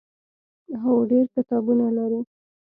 هو، ډیر کتابونه لري